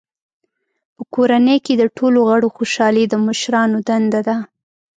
په کورنۍ کې د ټولو غړو خوشحالي د مشرانو دنده ده.